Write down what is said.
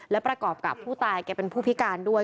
และประกอบกับผู้ตายแกเป็นผู้พิการด้วย